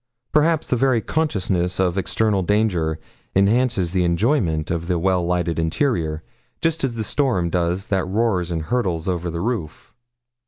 Perhaps the very consciousness of external danger enhances the enjoyment of the well lighted interior, just as the storm does that roars and hurtles over the roof.